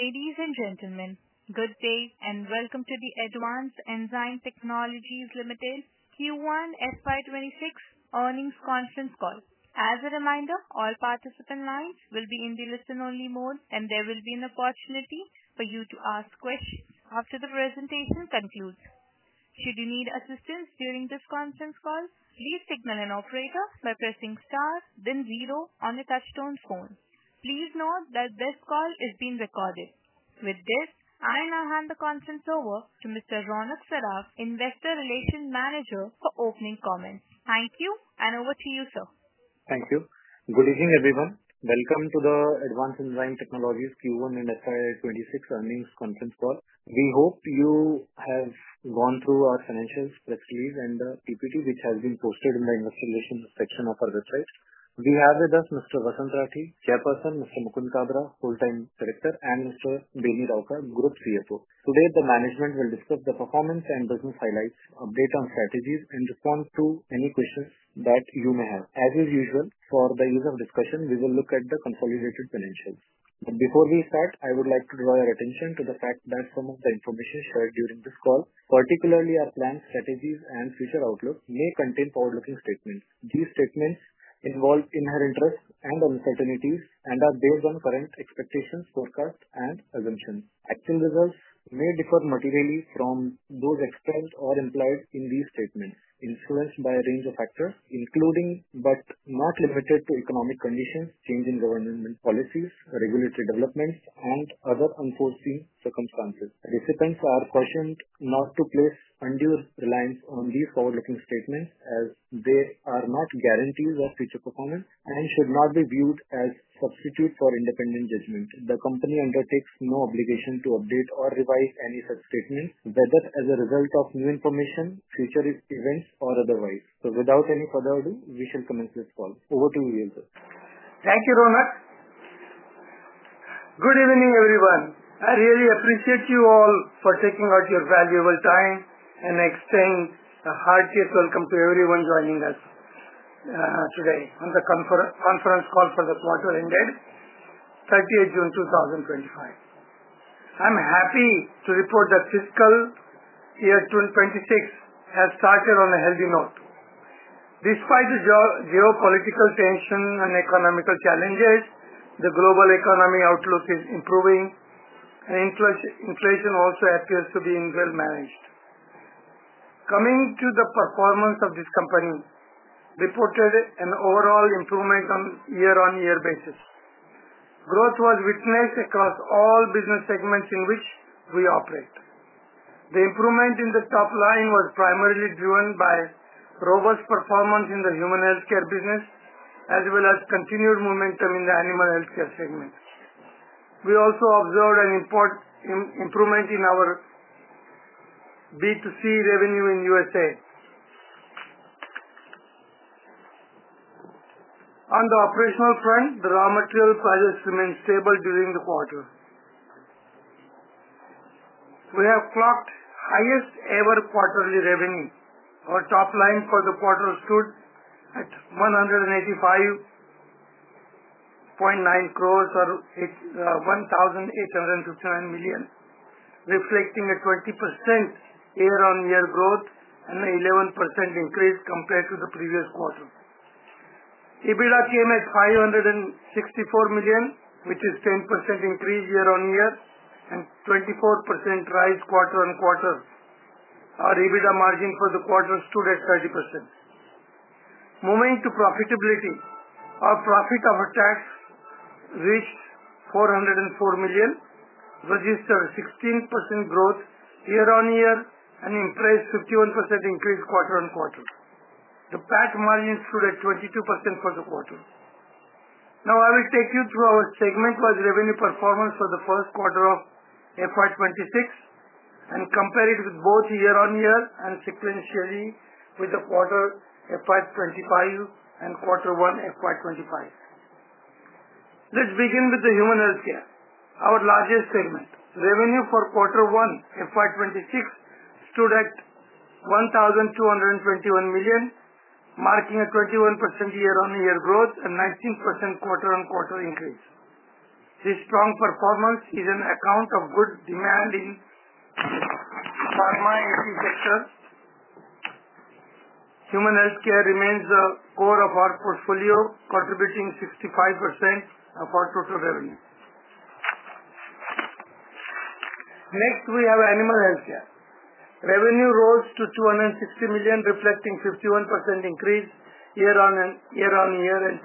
Ladies and gentlemen, good day and welcome to the Advanced Enzyme Technologies Limited Q1 FY 2026 earnings conference call. As a reminder, all participant lines will be in the listen-only mode, and there will be an opportunity for you to ask questions after the presentation concludes. Should you need assistance during this conference call, please signal an operator by pressing star, then zero on the touchtone phone. Please note that this call is being recorded. With this, I now hand the conference over to Mr. Ronak Saraf, Investor Relations Manager, for opening comments. Thank you, and over to you, sir. Thank you. Good evening, everyone. Welcome to the Advanced Enzyme Technologies Q1 and FY 2026 earnings conference call. We hope you have gone through our financial spreadsheet and the PPT, which has been posted in the Investor Relations section of our website. We have with us Mr. Vasant Rathi, Chairperson, Mr. Mukund Kabra, Full-time Director, and Mr. Beni Rauka, Group CFO. Today, the management will discuss the performance and business highlights, update on strategies, and respond to any questions that you may have. As usual, for the use of discussion, we will look at the consolidated financials. Before we start, I would like to draw your attention to the fact that some of the information shared during this call, particularly our plan, strategies, and future outlook, may contain forward-looking statements. These statements involve inherent risks and uncertainties and are based on current expectations, forecasts, and assumptions. Actual results may differ materially from those explained or implied in these statements, influenced by a range of factors, including but not limited to economic conditions, changing government policies, regulatory developments, and other unforeseen circumstances. Participants are cautioned not to place undue reliance on these forward-looking statements, as they are not guarantees of future performance and should not be viewed as substitutes for independent judgment. The company undertakes no obligation to update or revise any such statements, whether as a result of new information, future events, or otherwise. Without any further ado, we shall commence this call. Over to you, sir. Thank you, Ronak. Good evening, everyone. I really appreciate you all for taking out your valuable time and extend a heartfelt welcome to everyone joining us today on the conference call for the quarter ended 30th June 2025. I'm happy to report that fiscal year 2026 has started on a healthy note. Despite the geopolitical tension and economic challenges, the global economy outlook is improving, and inflation also appears to be well managed. Coming to the performance of this company, we reported an overall improvement on a year-on-year basis. Growth was witnessed across all business segments in which we operate. The improvement in the top line was primarily driven by robust performance in the human healthcare business, as well as continued momentum in the animal healthcare segment. We also observed an important improvement in our B2C revenue in the USA. On the operational front, the raw material prices remained stable during the quarter. We have clocked the highest ever quarterly revenue, or top line for the quarter stood at 1,859 million, reflecting a 20% year-on-year growth and an 11% increase compared to the previous quarter. EBITDA came at 564 million, which is a 10% increase year-on-year, and a 24% rise quarter-on-quarter. Our EBITDA margin for the quarter stood at 30%. Moving to profitability, our profit after tax reached 404 million, registered a 16% growth year-on-year, and impressed a 51% increase quarter-on-quarter. The PAT margin stood at 22% for the quarter. Now, I will take you through our segment-wise revenue performance for the first quarter of FY 2026 and compare it with both year-on-year and sequentially with the quarter FY 2025 and quarter one FY 2025. Let's begin with the human healthcare, our largest segment. Revenue for quarter one FY 2026 stood at 1,221 million, marking a 21% year-on-year growth and a 19% quarter-on-quarter increase. This strong performance is an account of good demand in pharma and Apheresis. Human healthcare remains the core of our portfolio, contributing 65% of our total revenue. Next, we have animal healthcare. Revenue rose to 260 million, reflecting a 51% increase year-on-year and a 24%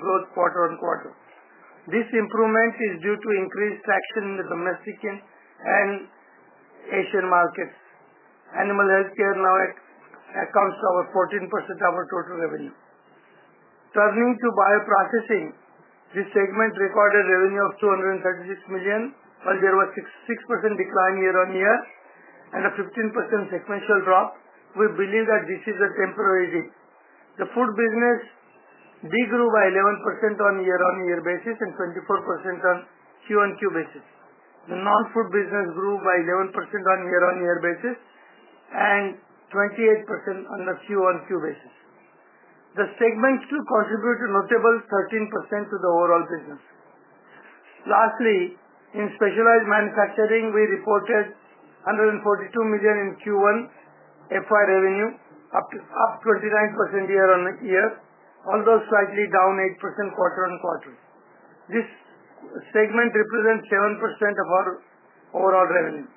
growth quarter-on-quarter. This improvement is due to increased traction in the domestic and Asian markets. Animal healthcare now accounts for over 14% of our total revenue. Turning to bioprocessing, this segment recorded a revenue of 236 million, while there was a 6% decline year-on-year and a 15% sequential drop. We believe that this is a temporary reboot. The food business grew by 11% on a year-on-year basis and 24% on a Q-on-Q basis. The non-food business grew by 11% on a year-on-year basis and 28% on a Q-on-Q basis. The segments still contribute a notable 13% to the overall business. Lastly, in specialized manufacturing, we reported 142 million in Q1 FY revenue, up 29% year-on-year, although slightly down 8% quarter-on-quarter. This segment represents 7% of our overall revenue.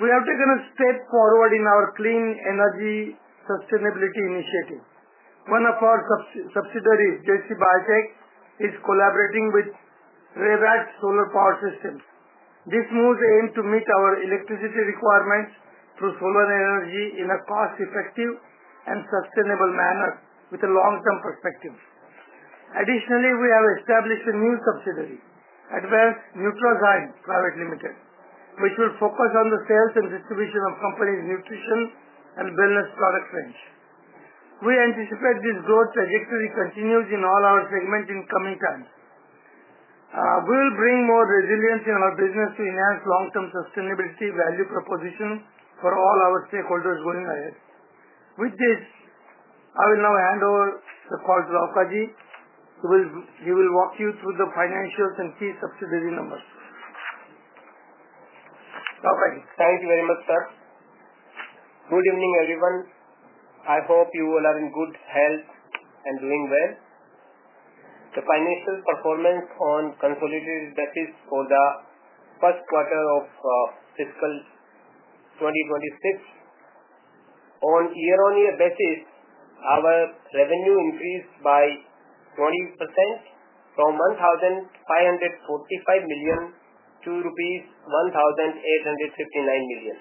We have taken a step forward in our clean energy sustainability initiative. One of our subsidiaries, JC Biotech, is collaborating with Raywatt Solar Power Systems. This move aims to meet our electricity requirements through solar energy in a cost-effective and sustainable manner with a long-term perspective. Additionally, we have established a new subsidiary, Advanced Nutrazyme Private Limited, which will focus on the sales and distribution of the company's nutrition and wellness product range. We anticipate this growth trajectory continues in all our segments in the coming times. We will bring more resilience in our business to enhance long-term sustainability value proposition for all our stakeholders going ahead. With this, I will now hand over the call to Beni Rauka, who will walk you through the financials and key subsidiary numbers. Thank you very much, sir. Good evening, everyone. I hope you all are in good health and doing well. The financial performance on a consolidated basis for the first quarter of fiscal 2026. On a year-on-year basis, our revenue increased by 20% from 1,545 million to rupees 1,859 million.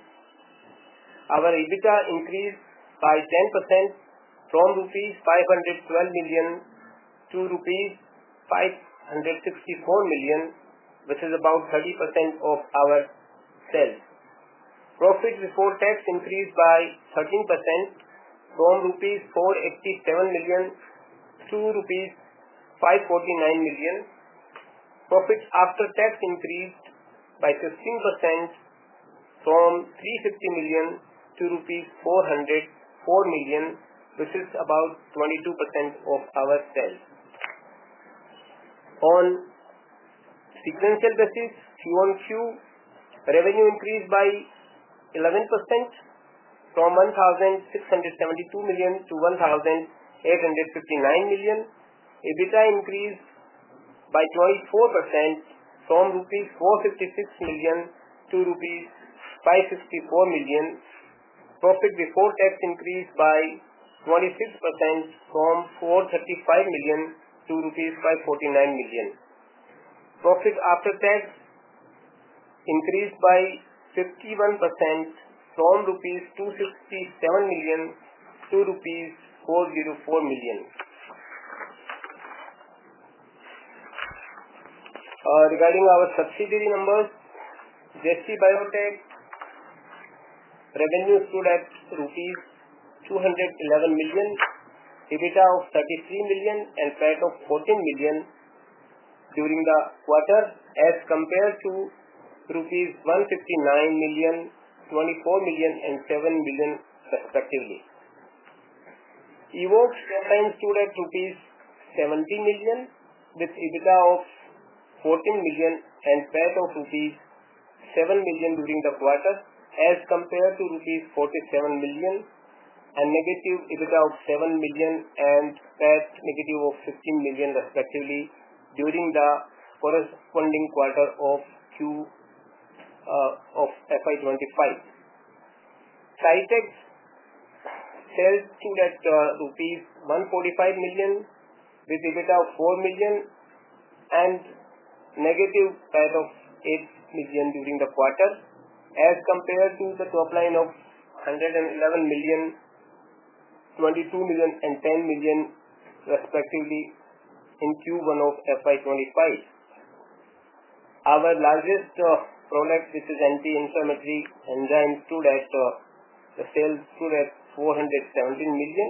Our EBITDA increased by 10% from rupees 512 million to rupees 564 million, which is about 30% of our sales. Profit before tax increased by 13% from rupees 487 million to rupees 549 million. Profit after tax increased by 15% from 350 million to rupees 404 million, which is about 22% of our sales. On a sequential basis, Q-on-Q revenue increased by 11% from 1,672 million to 1,859 million. EBITDA increased by 24% from rupees 456 million to rupees 564 million. Profit before tax increased by 26% from 435 million to rupees 549 million. Profit after tax increased by 51% from rupees 267 million to rupees 404 million. Regarding our subsidiary numbers, JC Biotech revenue stood at rupees 211 million, EBITDA of 33 million, and a PAT of 14 million during the quarter, as compared to rupees 159 million, 24 million, and 7 million, respectively. Evoxx revenue stood at rupees 70 million, with EBITDA of 14 million and a PAT of rupees 7 million during the quarter, as compared to rupees 47 million, a negative EBITDA of 7 million, and a PAT negative of 15 million, respectively, during the corresponding quarter of Q2 of FY 2025. TriTech's sales stood at rupees 145 million, with EBITDA of 4 million and a negative PAT of 8 million during the quarter, as compared to the top line of 111 million, 22 million, and 10 million, respectively, in Q1 of FY 2025. Our largest product, which is anti-inflammatory enzymes, sales stood at 417 million,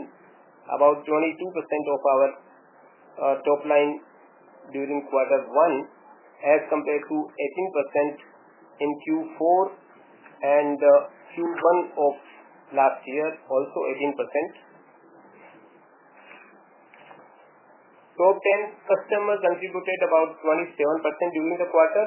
about 22% of our top line during quarter one, as compared to 18% in Q4 and the Q1 of last year, also 18%. Top 10 customers contributed about 27% during the quarter,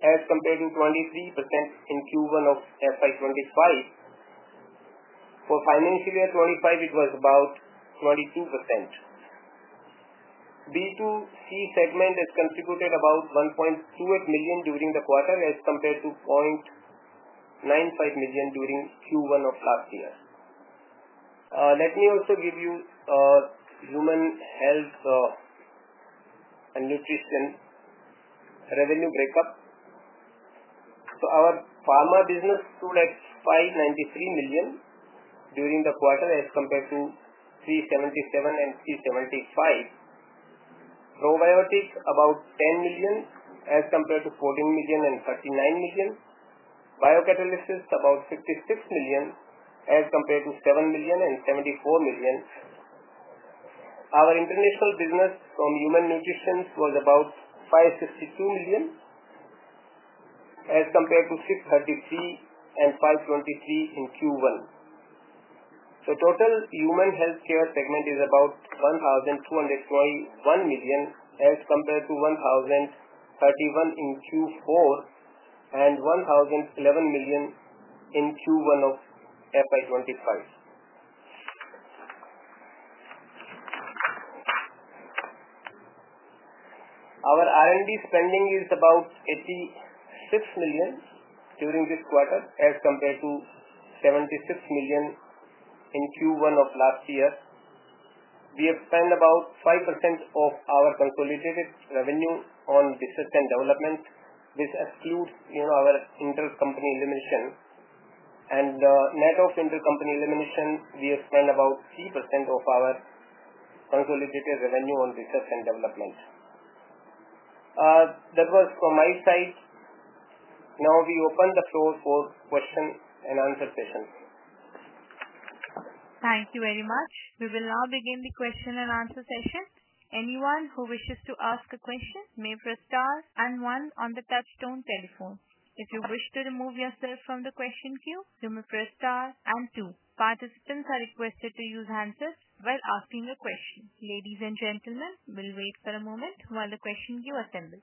as compared to 23% in Q1 of FY 2025. For financial year 2025, it was about 23%. B2C segment has contributed about USD 1.28 million during the quarter, as compared to 0.95 million during Q1 of last year. Let me also give you a human health analytics and revenue breakup. Our pharma business stood at 593 million during the quarter, as compared to 377 million and 375 million. Probiotics, about 10 million, as compared to 14 million and 39 million. Biocatalysis, about 56 million, as compared to 7 million and 74 million. Our international business from human nutrition was about 562 million, as compared to 633 million and 543 million in Q1. Total human healthcare segment is about 1,201 million, as compared to 1,031 million in Q4 and 1,011 million in Q1 of FY 2025. Our R&D spending is about 86 million during this quarter, as compared to 76 million in Q1 of last year. We have spent about 5% of our consolidated revenue on R&D, which excludes our intercompany elimination. Net of intercompany elimination, we have spent about 3% of our consolidated revenue on R&D. That was from my side. Now we open the floor for question and answer session. Thank you very much. We will now begin the question and answer session. Anyone who wishes to ask a question may press star and one on the touchstone telephone. If you wish to remove yourself from the question queue, you may press star and two. Participants are requested to use handsets while asking a question. Ladies and gentlemen, we'll wait for a moment while the question queue assembles.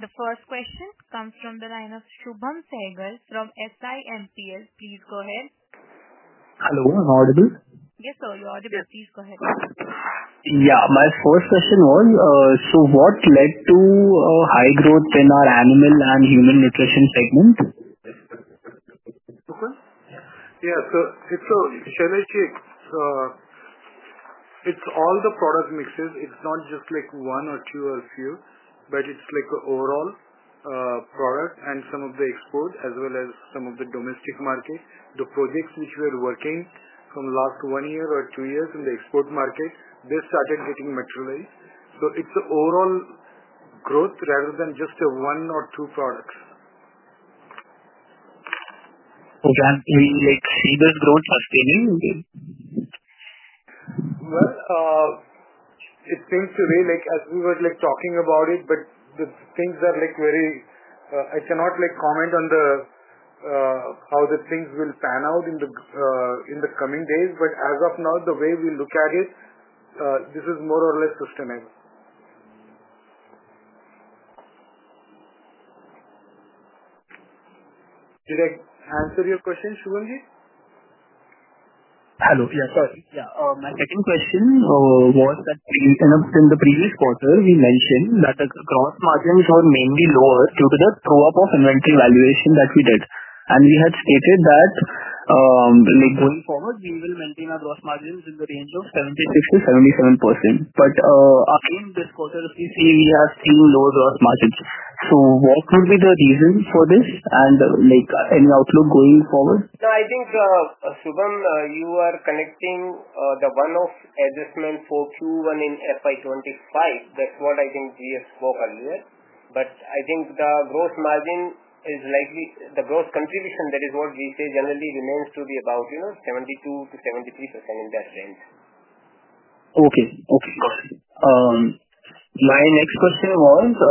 The first question comes from the line of Shubham Sehgal from SiMPL. Please go ahead. Hello. Audible? Yes, sir. You're audible. Please go ahead. Yeah, my first question was, what led to high growth in our animal and human nutrition segment? Okay. Yeah. It's all the product mixes. It's not just like one or two or a few, but it's like an overall product and some of the export, as well as some of the domestic market. The projects which we are working from the last one year or two years in the export market, this started getting materialized. It's an overall growth rather than just a one or two products. Okay, like in this growth, sustaining, okay? It tends to be like we were talking about it, but the things that, I cannot comment on how the things will pan out in the coming days. As of now, the way we look at it, this is more or less sustaining. Did I answer your question, Shubham Ji? Hello. Sorry. My second question was that in the previous quarter, we mentioned that the gross margins were mainly lower due to the throw-up of inventory valuation that we did. We had stated that, going forward, we will maintain our gross margins in the range of 76%-77%. In this quarter, we have seen lower gross margins. What would be the reasons for this, and any outlook going forward? No, I think, Shubham, you are connecting the one-off adjustment for Q1 in FY 2025. That's what I think we spoke earlier. I think the gross margin is likely the gross contribution. That is what we say generally remains to be about, you know, 72%-73% in that range. Okay. My next question was, on our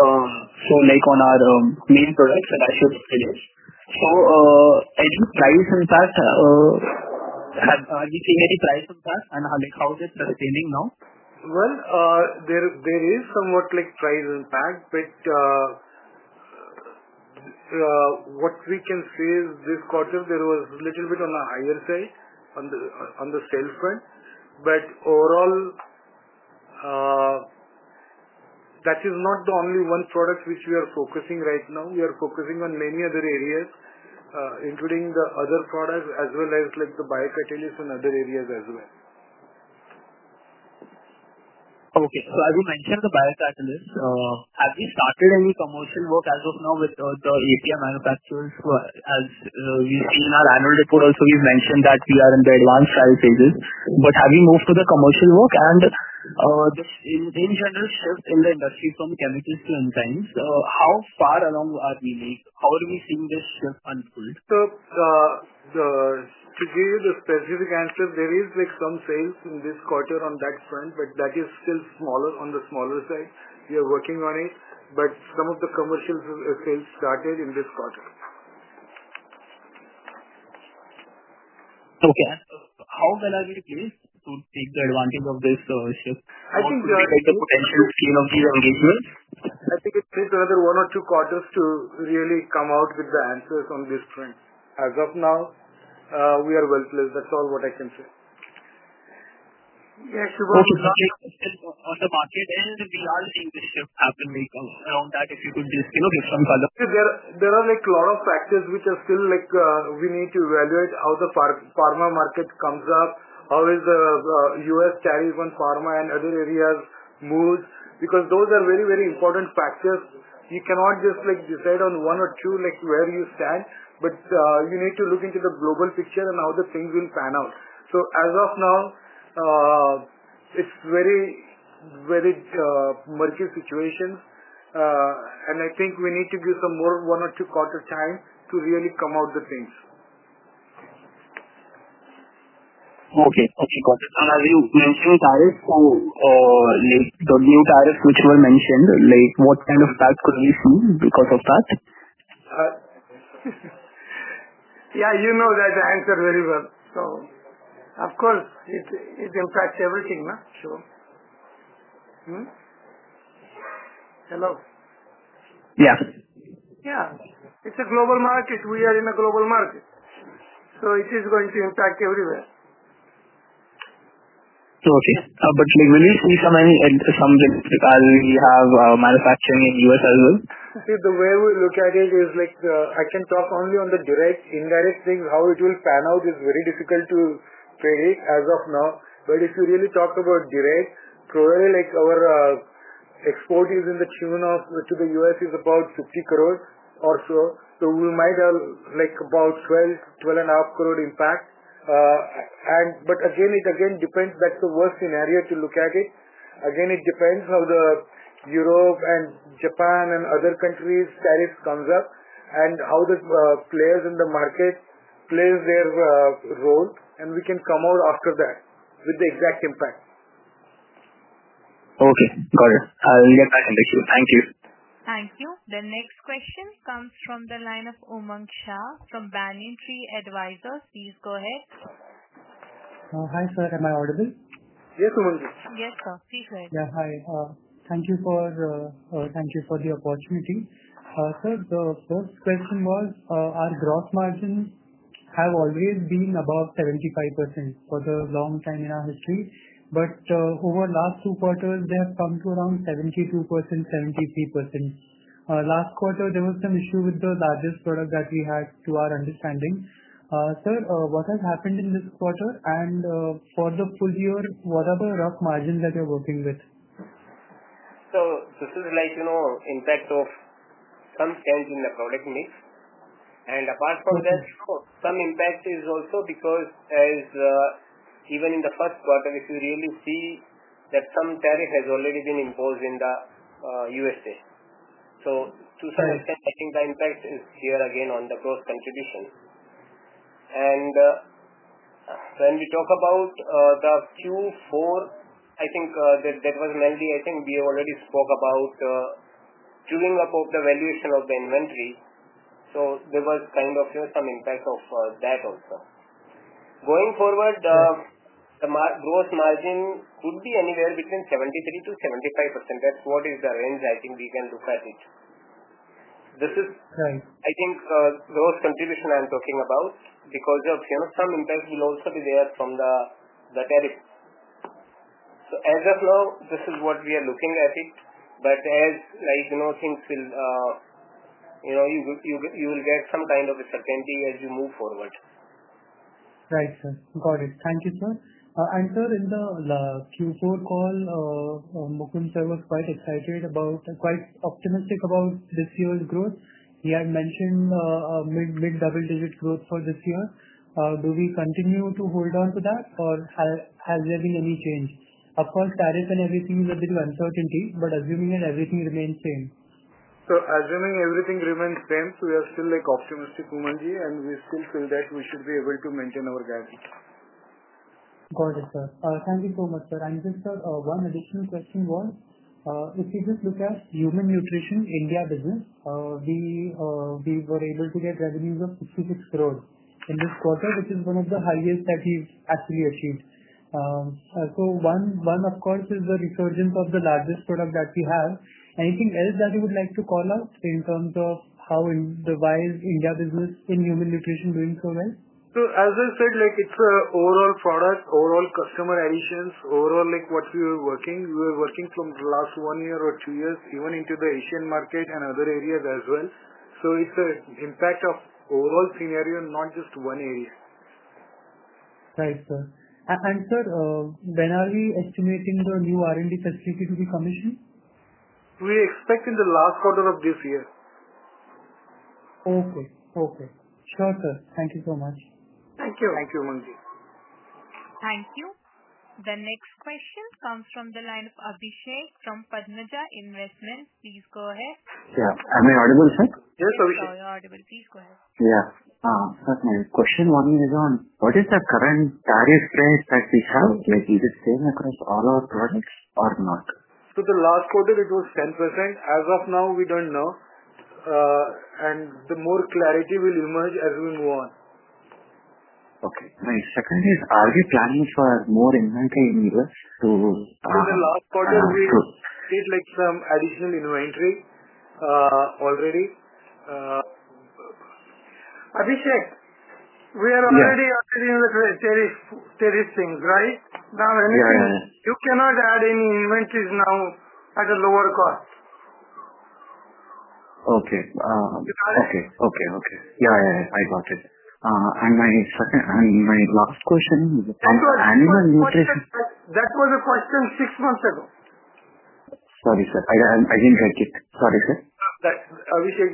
clean products and ISO subsidiaries, are these price impacts? Have you seen any price impacts and how they're sustaining now? There is somewhat like price impact, but what we can say is this quarter, there was a little bit on the higher side on the sales side. Overall, that is not the only one product which we are focusing right now. We are focusing on many other areas, including the other products, as well as the biocatalysts and other areas as well. Okay. I will mention the biocatalysts. Have you started any promotion work as of now with the ATMP manufacturers? As we've seen in our annual report, you mentioned that you are in the advanced strategy. Having moved to the commercial work and this ingenuous shift in the industry from chemical to enzymes, how far along are we? How are we seeing this shift unfold? To give you the specific answer, there is some sales in this quarter on that front, but that is still on the smaller side. We are working on it, and some of the commercial sales started in this quarter. Okay. How often are you used to take the advantage of this shift? I think the Or take the potentials, you know, we are witness? I think it takes another one or two quarters to really come out with the answers on this trend. As of now, we are well-placed. That's all what I can say. Of the market trends, if you are seeing this shift happening around that, if you could just give some kind of. There are a lot of factors which are still, we need to evaluate how the pharma market comes up, how is the U.S., Chinese-born pharma, and other areas moved because those are very, very important factors. You cannot just decide on one or two where you stand, but you need to look into the global picture and how things will pan out. As of now, it's a very, very murky situation. I think we need to give some more one or two quarters' time to really come out the things. Okay. Got it. Have you mentioned the new targets which you mentioned? Like what kind of path could we see because of that? Yeah, you know that answer very well. It impacts everything, no? Sure. Hello? Yeah. Yeah, it's a global market. We are in a global market, so it is going to impact everywhere. Okay. When you saw any entry comes in, because you have manufacturing in the USA as well? See, the way we look at it is like I can talk only on the direct, indirect things. How it will pan out is very difficult to predict as of now. If you really talk about direct, probably like our export is in the tune of to the U.S. is about 50 crore or so. We might have like about 12 crore, 12.5 crore impact. Again, it depends. That's the worst scenario to look at it. It depends how Europe and Japan and other countries' status comes up and how the players in the market play their role. We can come out after that with the exact impact. Okay. Got it. I'll get that information. Thank you. Thank you. The next question comes from the line of Umang Shah, Banyan Tree Advisors. Please go ahead. Hi, Sir. Am I audible? Yes, Umang. Yes, sir. Please go ahead. Yeah, hi. Thank you for the opportunity. Sir, the first question was our gross margins have always been above 75% for a long time in our history. Over the last two quarters, they have come to around 72%, 73%. Last quarter, there was some issue with the largest product that we had, to our understanding. Sir, what has happened in this quarter? For the full year, what are the rough margins that you're working with? This is like, you know, impact of some sales in the product mix. Apart from that, some impact is also because, as even in the first quarter, if you really see that some tariff has already been imposed in the USA. To some extent, I think the impact is here again on the gross contribution. When we talk about the Q4, I think that was mainly, I think we already spoke about trimming up of the valuation of the inventory. There was kind of some impact of that also. Going forward, the gross margin could be anywhere between 73%-75%. That's what is the range I think we can look at it. This is, I think, gross contribution I'm talking about because of, you know, some impact will also be there from the tariffs. As of now, this is what we are looking at it. As like, you know, things will, you know, you will get some kind of a certainty as you move forward. Right, sir. Got it. Thank you, sir. In the Q4 call, Mukund was quite excited about, quite optimistic about this year's growth. He had mentioned a mid double-digit growth for this year. Do we continue to hold on to that, or has there been any change? Of course, tariffs and everything will have been uncertainty, but assuming that everything remains the same. Assuming everything remains the same, we are still optimistic, Umang Ji, and we still feel that we should be able to maintain our gap. Got it, sir. Thank you so much, sir. Just sir, one additional question was, if you just look at human nutrition in India business, we were able to get revenues of 66 crore in this quarter, which is one of the highest that we've actually achieved. One, of course, is the resurgence of the largest product that we have. Is there anything else that you would like to call out in terms of how the India business in human nutrition is doing so well? As I said, it's an overall product, overall customer adhesions, overall what we were working. We were working from the last one year or two years, even into the Asian market and other areas as well. It's an impact of overall scenario, not just one area. Right, sir. Sir, when are we estimating the new R&D facility to be commissioned? We expect in the last quarter of this year. Excellent. Okay. Sure, sir. Thank you so much. Thank you, Umang Ji. Thank you. The next question comes from the line of Abhishek from Padmaja Investments. Please go ahead. Yeah, am I audible, sir? Yes, Abhishek. You're audible. Please go ahead. Yeah. First question, one is on what is the current tariff range that we have? Is it the same across all our products or not? Last quarter, it was 10%. As of now, we don't know. More clarity will emerge as we move on. Okay. The second is, are we charging for more inventory in the U.S. too? Last quarter, we did some additional inventory already. Abhishek, we are already up to the tariff things, right? Now, you cannot add any inventories now at a lower cost. Okay. I got it. My second and my last question is about animal nutrition. That was a question six months ago. Sorry, sir. I didn't get it. Sorry, sir. Abhishek,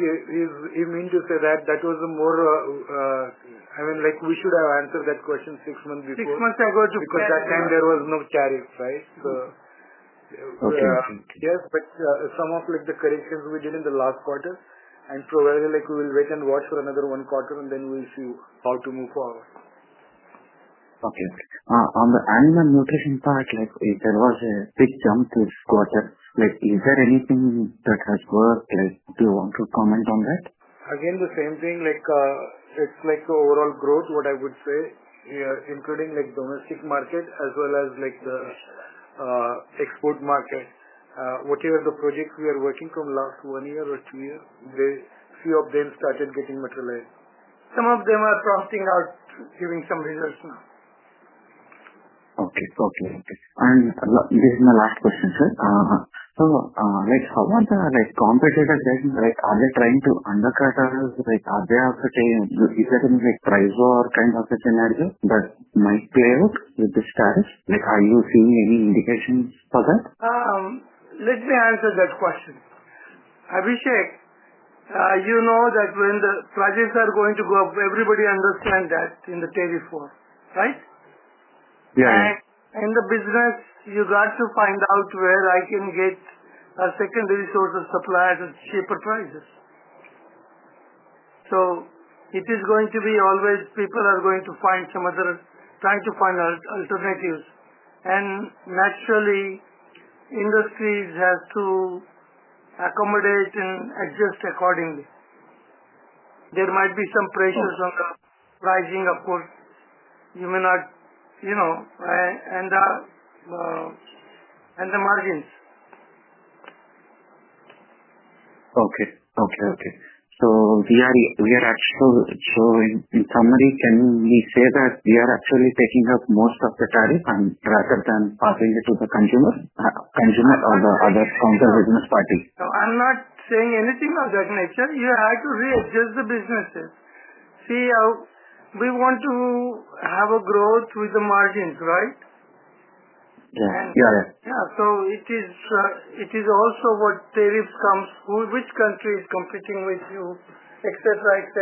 he meant to say that was a more, I mean, like we should have answered that question six months before. Six months ago, just before... Because at that time, there was no tariff, right? Yes, some of the corrections we did in the last quarter. We will wait and watch for another one quarter, and then we'll see how to move forward. On the animal nutrition part, there was a big jump this quarter. Is there anything that has worked? Do you want to comment on that? It's like overall growth, what I would say, yeah, including like domestic market as well as like the export markets. Whatever the projects we are working from last one year or two years, a few of them started getting materialized. Some of them are prompting out, giving some results now. Okay. This is my last question, sir. How about the competitors? Are they trying to undercut us? Are they offering? Is there any price war kind of a scenario that might play out with the status? Are you seeing any indications for that? Let me answer that question. Abhishek, you know that when the prices are going to go up, everybody understands that in the tariff war, right? Yeah, yeah. In the business, you got to find out where I can get a secondary source of supply at cheaper prices. It is going to be always people are going to find some other, try to find alternatives. Naturally, industries have to accommodate and adjust accordingly. There might be some pressures of pricing, of course. You may not, you know, and the margins. Okay. In summary, can we say that we are actually taking up most of the tariff rather than passing it to the consumer or the other business party? I'm not saying anything of that nature. You had to readjust the businesses. See how we want to have a growth with the margins, right? Yeah, yeah. It is also what tariff comes to which country is competing with you, etc., etc.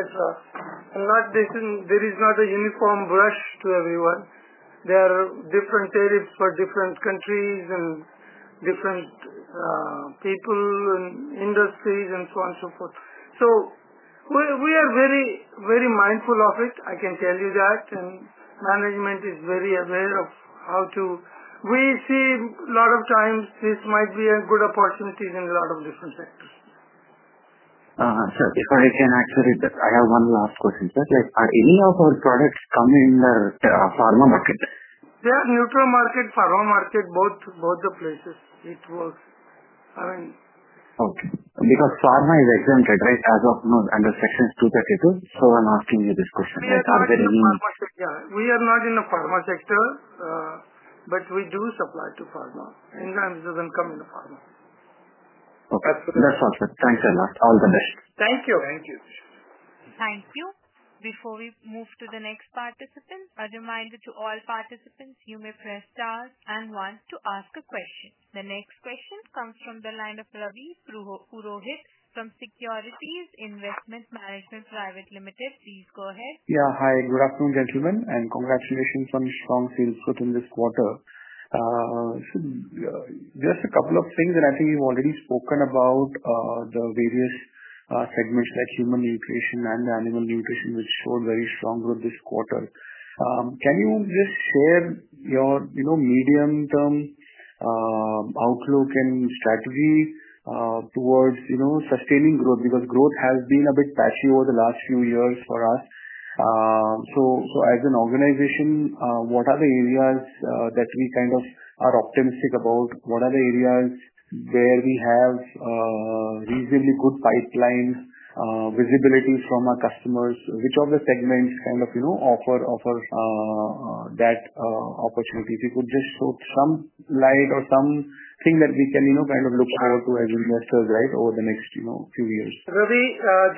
There is not a uniform brush to everyone. There are different tariffs for different countries and different people and industries and so on and so forth. We are very, very mindful of it. I can tell you that. Management is very aware of how to, we see a lot of times this might be a good opportunity in a lot of different sectors. Sir, before I can actually, I have one last question. Sir, are any of our products coming in the pharma market? They are neutral market, pharma market, both the places. It works. Okay. Because pharma is exempted, right, as of now, under Section 232. I'm asking you this question. Are there any? Yeah. We are not in the pharma sector, but we do supply to pharma. Ingrams doesn't come into pharma. Okay. That's all, sir. Thanks a lot. All the best. Thank you. Thank you. Thank you. Before we move to the next participant, a reminder to all participants, you may press star and one to ask a question. The next question comes from the line of Ravi Purohit from Securities Investment Management Private Limited. Please go ahead. Yeah. Hi. Good afternoon, gentlemen, and congratulations on strong sales growth in this quarter. Just a couple of things, and I think you've already spoken about the various segments like human nutrition and animal nutrition, which showed very strong growth this quarter. Can you just share your medium-term outlook and strategy towards sustaining growth? Because growth has been a bit patchy over the last few years for us. As an organization, what are the areas that we kind of are optimistic about? What are the areas where we have reasonably good pipeline visibilities from our customers? Which of the segments offer that opportunity? If you could just show some light or something that we can look forward to as investors over the next few years. Ravi,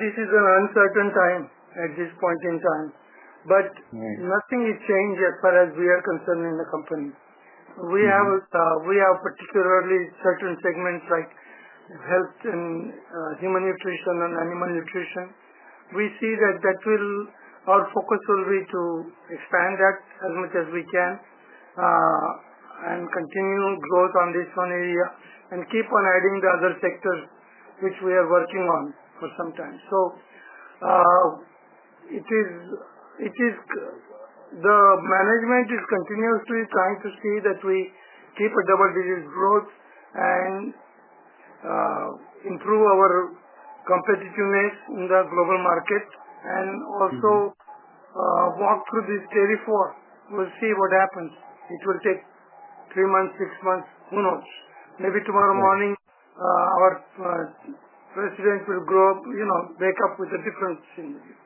this is an uncertain time at this point in time. Nothing is changed yet as far as we are concerned in the company. We have particularly certain segments like health and human nutrition and animal nutrition. We see that our focus will be to expand that as much as we can, continue growth on this one area, and keep on adding the other sectors which we are working on for some time. The management is continuously trying to see that we keep a double-digit growth and improve our competitiveness in the global market and also walk through this territory. We'll see what happens. It will take three months, six months, who knows? Maybe tomorrow morning, our president will wake up with a different scenario.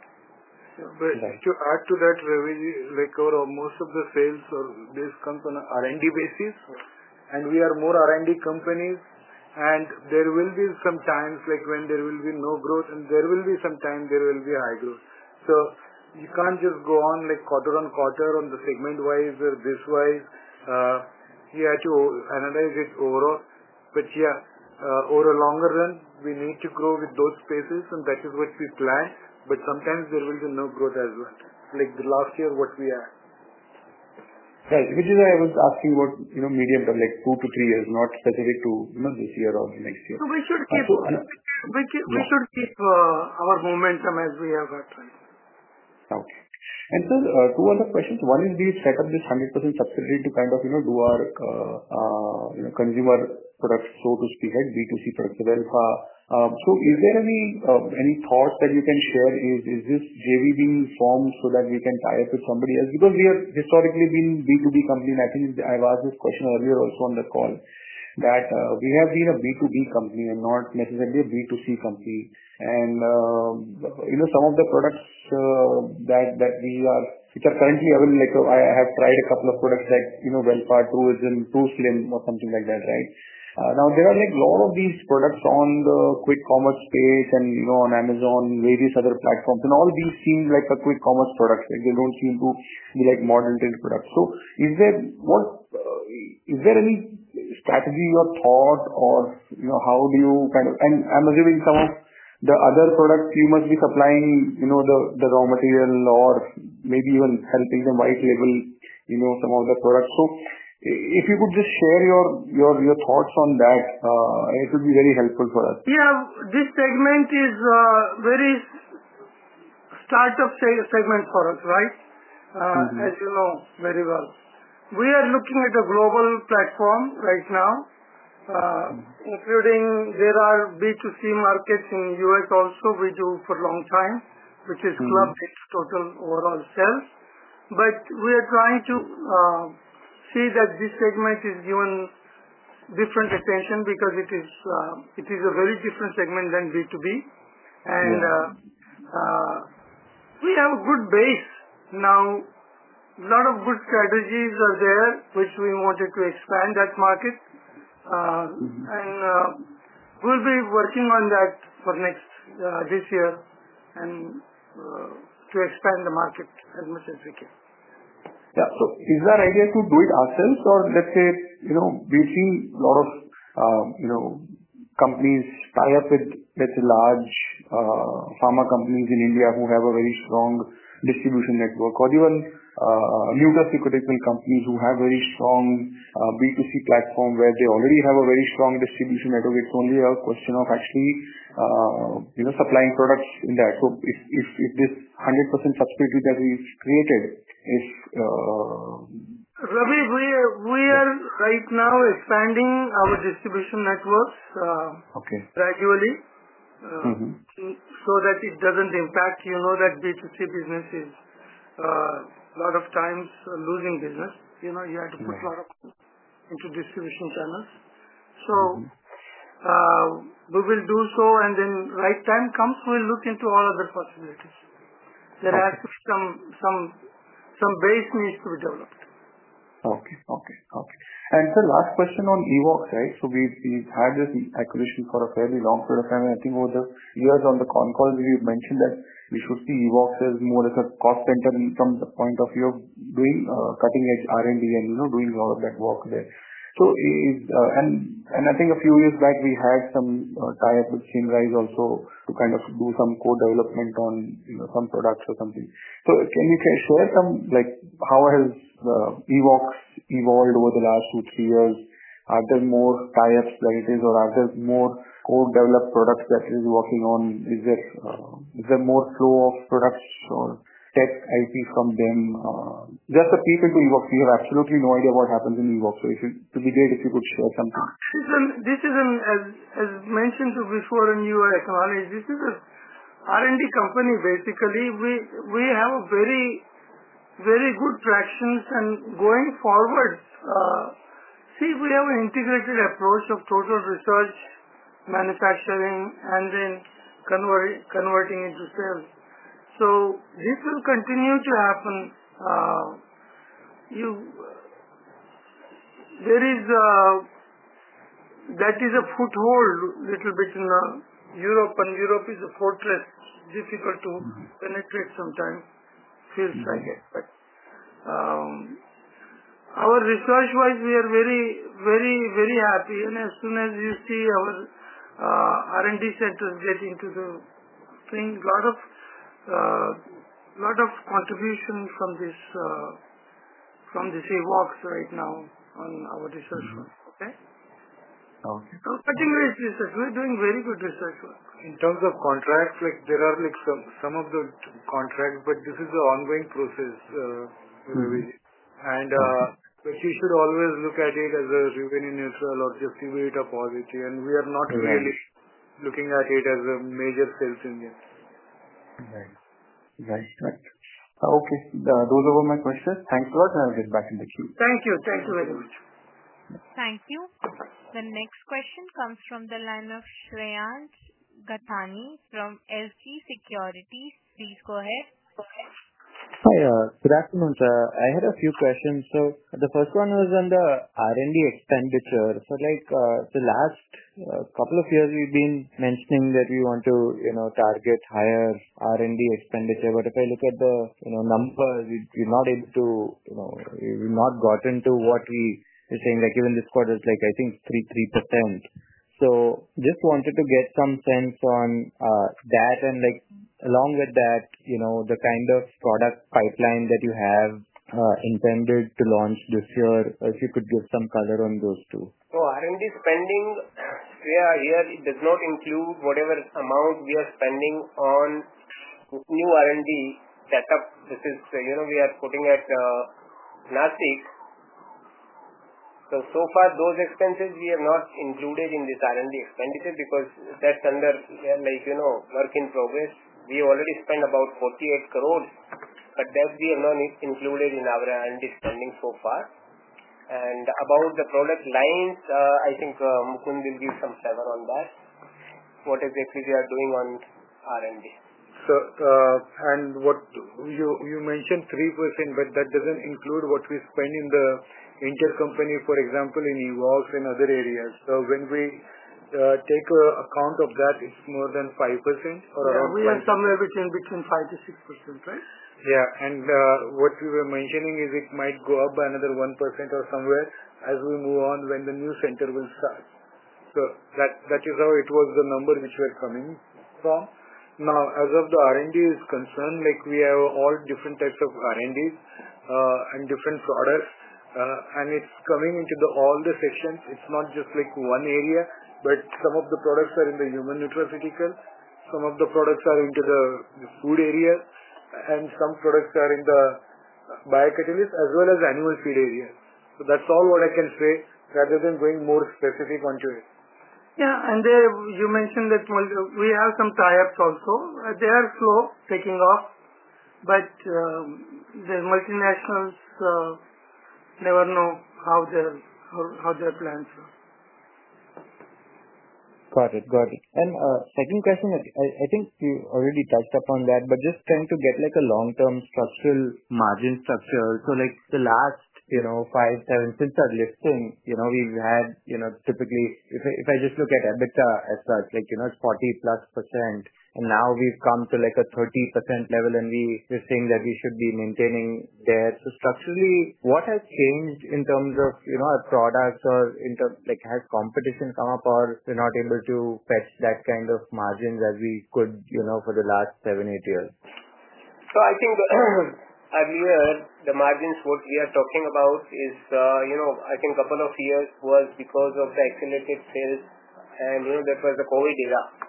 To add to that, where we record most of the sales or use comes on an R&D basis. We are more R&D companies, and there will be some times when there will be no growth, and there will be some times there will be a high growth. You can't just go on quarter-on-quarter on the segment-wise or this-wise. You have to analyze it overall. Over a longer run, we need to grow with those spaces, and that is what we plan. Sometimes there will be no growth as well, like the last year, what we had. Right. Which is why I was asking what, you know, medium term, like two to three years, not specific to, you know, this year or next year. We should keep our momentum as we have that, right? Sir, two other questions. One is, do you set up this 100% subsidiary to kind of, you know, do our, you know, consumer products, so to speak, right, B2C products Wellfa. Is there any thought that you can share? Is this JV being formed so that we can tie it to somebody else? We have historically been B2B companies. I think I was asked this question earlier also on the call, that we have been a B2B company and not necessarily a B2C company. Some of the products that we are, which are currently having, like I have tried a couple of products that, you know, went part two is in two slim or something like that, right? Now there are a lot of these products on the Quick Commerce page and on Amazon, various other platforms. All these seem like a Quick Commerce product. They don't seem to be like modern-day products. Is there any strategy or thought or, you know, how do you kind of, and I'm assuming some of the other products you must be supplying, you know, the raw material or maybe even helping some white label some of the products. If you could just share your thoughts on that, it would be very helpful for us. Yeah. This segment is a very startup segment for us, right? As you know very well, we are looking at a global platform right now, including there are B2C markets in the USA also we do for a long time, which is global total overall sales. We are trying to see that this segment is given different attention because it is a very different segment than B2B. We have a good base now. A lot of good strategies are there, which we wanted to expand that market, and we'll be working on that for next, this year, to expand the market as much as we can. Yeah. Is that idea to do it ourselves or, let's say, you know, we see a lot of, you know, companies tie up with, let's say, large pharma companies in India who have a very strong distribution network or even new technical companies who have a very strong B2C platform where they already have a very strong distribution network. It's only a question of actually supplying products in that. If this 100% subsidiary that we've created is, Ravi, we are right now expanding our distribution networks gradually, so that it doesn't impact, you know, that B2C business is a lot of times losing business. You know, you had to put a lot into distribution channels. We will do so, and when the right time comes, we'll look into all other possibilities. There are some base needs to be developed. Okay. And sir, last question on Evoxx, right? We've had this acquisition for a fairly long period of time. I think over the years on the con call, we mentioned that we should see Evoxx as more as a cost center from the point of view of doing cutting-edge R&D and, you know, doing a lot of that work there. I think a few years back, we had some tie-up with Symrise also to kind of do some core development on, you know, some products or something. If you can share some, like how has Evoxx evolved over the last two to three years? Are there more tie-ups like this, or are there more core developed products that you're working on? Is there more flow of products or tech IP from them? Just a peek into Evoxx. We have absolutely no idea what happens in Evoxx. If you could give it, if you could share something. This is, as mentioned before in your acknowledgement, this is an R&D company basically. We have a very, very good traction. Going forward, we have an integrated approach of total research, manufacturing, and then converting into sales. This will continue to happen. There is a foothold a little bit in Europe, and Europe is a fortress. It's difficult to connect it sometimes, still trying it. Research-wise, we are very, very, very happy. As soon as you see our R&D centers getting to the thing, a lot of contribution from this, from this Evoxx right now on our research fund. Okay. Okay. Cutting-edge research. We're doing very good research work. In terms of contracts, there are some of the contracts, but this is an ongoing process. Maybe we should always look at it as a revenue in itself or just simulate a positive. We are not really looking at it as a major sales engine. Right. Right. Right. Okay, those are all my questions. Thanks a lot. I'll get back in the queue. Thank you. Thank you very much. Thank you. The next question comes from the line of Shreyans Gathani from SG Securities. Please go ahead. Hi. Good afternoon, sir. I had a few questions. The first one was on the R&D expenditure. The last couple of years, we've been mentioning that we want to target higher R&D expenditure. If I look at the numbers, we've not been able to, we've not gotten to what we are saying. Even this quarter is, I think, 3%. I just wanted to get some sense on that. Along with that, the kind of product pipeline that you have, intended to launch this year, if you could give some color on those two. Oh, R&D spending here does not include whatever amount we are spending on new R&D setup. This is, you know, we are quoting at last week. So far, those expenses we are not including in this R&D expenditure because that's under, yeah, like, you know, work in progress. We already spent about 48 crore, but that we have not included in our R&D spending so far. About the product lines, I think Mukund will give some flavor on that. What exactly we are doing on R&D. What you mentioned, 3%, but that doesn't include what we spend in the intercompany, for example, in Evoxx and other areas. When we take account of that, it's more than 5% or around. We are somewhere between 5%-6%, right? Yeah, what we were mentioning is it might go up by another 1% or somewhere as we move on when the new center will start. That is how it was the number which we are coming from. Now, as of the R&D is concerned, we have all different types of R&Ds and different products, and it's coming into all the sections. It's not just like one area, but some of the products are in the human nutraceutical, some of the products are into the food area, and some products are in the biocatalyst as well as animal feed area. That's all what I can say rather than going more specific onto it. Yeah, you mentioned that we have some tie-ups also. They are slow taking off. There's multinationals, never know how their plans are. Got it. I think you already touched upon that, but just trying to get like a long-term structural margin structure. The last, you know, five, seven since our listing, you know, we've had, you know, typically, if I just look at EBITDA as such, like, you know, it's 40+%. Now we've come to like a 30% level, and we're saying that we should be maintaining that. Structurally, what has changed in terms of, you know, a product or in terms like has competition come up or we're not able to fetch that kind of margins as we could, you know, for the last seven, eight years? I think I've heard the margins we are talking about. A couple of years was because of the accelerated sales. That was the COVID era.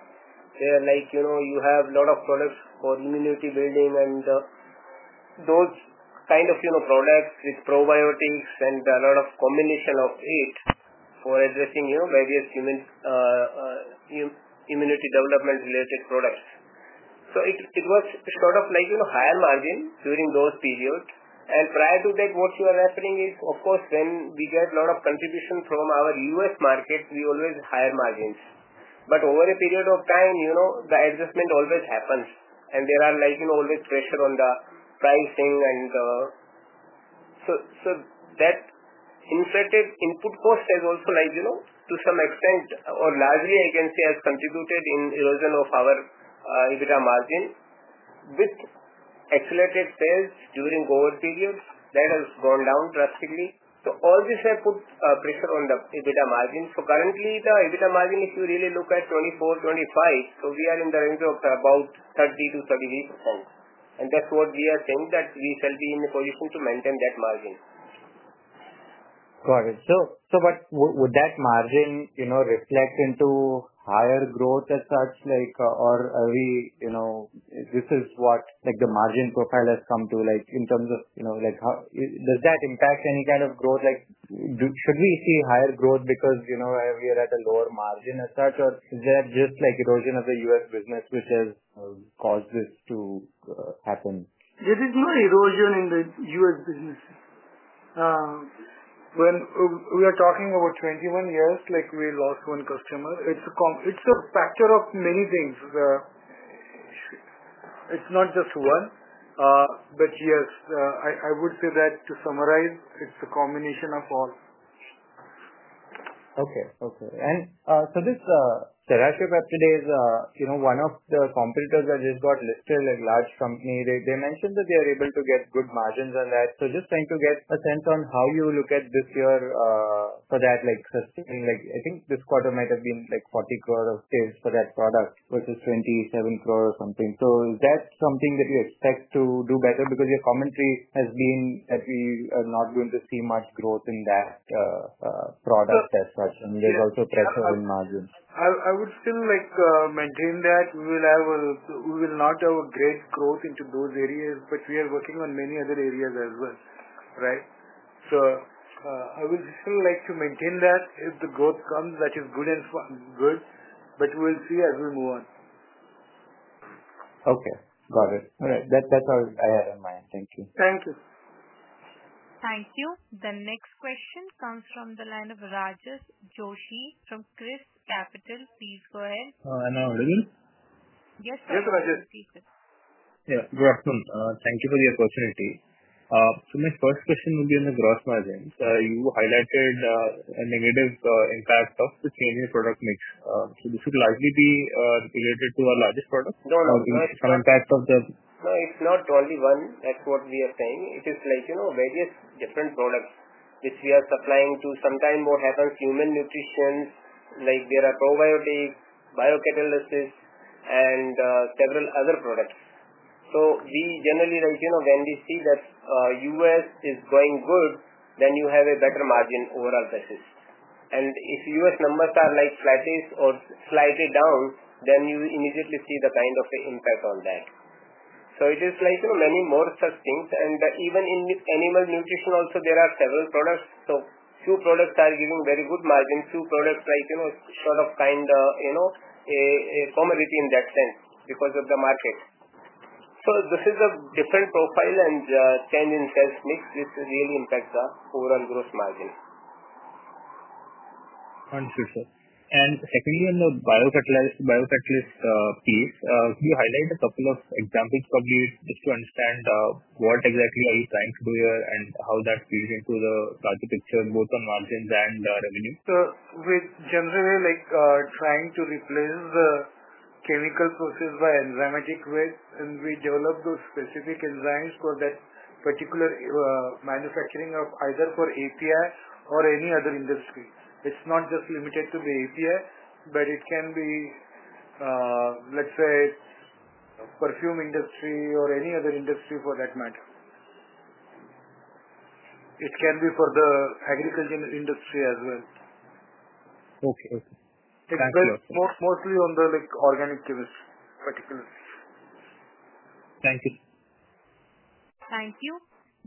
You have a lot of products for immunity building and those kinds of products with probiotics and a lot of combination of it for addressing various human immunity development-related products. It was sort of higher margin during those periods. Prior to that, what you are referring to is, of course, when we get a lot of contribution from our U.S. market, we always have higher margins. Over a period of time, the adjustment always happens, and there is always pressure on the pricing. That inflated input cost has also, to some extent or largely, I can say, contributed in the erosion of our EBITDA margin with accelerated sales during COVID periods. That has gone down drastically. All this has put pressure on the EBITDA margin. Currently, the EBITDA margin, if you really look at 2024, 2025, we are in the range of about 30%-38%. That's what we are saying, that we shall be in a position to maintain that margin. Got it. Would that margin reflect into higher growth as such? Like, is this what the margin profile has come to in terms of how does that impact any kind of growth? Should we see higher growth because we are at a lower margin as such, or is that just erosion of the US business which has caused this to happen? There is no erosion in the U.S. business. When we are talking about 21 years, like we lost one customer. It's a factor of many things. It's not just one. I would say that to summarize, it's a combination of all. Okay. This, that I said that today is, you know, one of the competitors that just got listed as a large company. They mentioned that they are able to get good margins on that. Just trying to get a sense on how you look at this year for that. I think this quarter might have been 40 crore of sales for that product, versus 27 crore or something. Is that something that you expect to do better because your commentary has been that we are not going to see much growth in that product as such. There is also pressure on margins. I would still like to maintain that we will not have great growth into those areas, but we are working on many other areas as well, right? I would still like to maintain that if the growth comes, that is good and good, but we will see as we move on. Okay. Got it. All right. That's all I had in mind. Thank you. Thank you. Thank you. The next question comes from the line of Rajas Joshi from ChrysCapital. Please go ahead. Hello? Yes, sir. Yes, Rajas. Please sit. Yeah. Good afternoon. Thank you for the opportunity. My first question will be on the gross margins. You highlighted a negative impact of the changing product mix. This should largely be related to our largest products or some impact of the. No, it's not only one that what we are saying. It is like, you know, various different products which we are supplying to. Sometimes what happens, human nutrition, like there are probiotics, biocatalysts, and several other products. We generally don't, you know, when we see that U.S. is growing good, then you have a better margin overall %. If U.S. numbers are like flattering or slightly down, you immediately see the kind of the impact on that. It is like, you know, learning more such things. Even in animal nutrition also, there are several products. Few products are giving very good margins. Few products, like, you know, sort of kind of a formality in that sense because of the market. This is a different profile and change in sales mix, which really impacts our overall gross margin. Thank you, sir. Secondly, on the biocatalyst piece, can you highlight a couple of examples from this just to understand what exactly are you trying to do here and how that plays into the architecture, both on margins and revenue? We generally are trying to replace the chemical process by enzymatic ways, and we develop those specific enzymes for that particular manufacturing of either for API or any other industry. It's not just limited to the API, but it can be, let's say, perfume industry or any other industry for that matter. It can be for the agriculture industry as well. Okay. It's mostly on the, like, organic chemistry particulars. Thank you. Thank you.